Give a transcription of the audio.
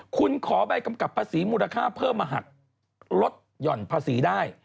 คุณขอใบกำกับภาษีมูลค่าเพิ่มมาหักลดหย่อนภาษีได้